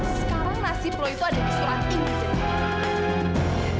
sekarang nasib lo itu ada di surat ini